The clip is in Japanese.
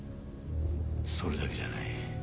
それだけじゃない。